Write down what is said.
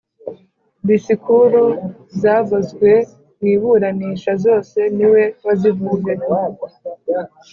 disikuru zavuzwe mu iburanisha zose niwe wazivuze